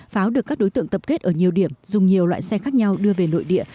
pháo được các đối tượng tập kết ở nhiều điểm dùng nhiều loại xe khác nhau đưa về nội địa